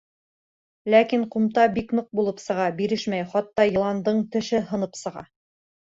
Ләкин ҡумта бик ныҡ булып сыға, бирешмәй, хатта йыландың теше һынып сыға.